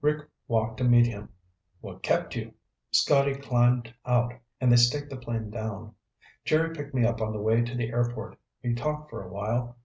Rick walked to meet him. "What kept you?" Scotty climbed out and they staked the plane down. "Jerry picked me up on the way to the airport. We talked for a while.